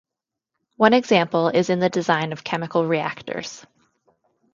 One example is in the design of chemical reactors.